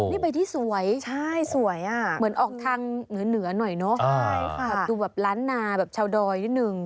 นี่ไปที่สวยเหมือนออกทางเหนือหน่อยเนอะค่ะดูแบบร้านนาแบบเฉาดอยนิดหนึ่ง